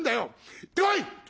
行ってこい！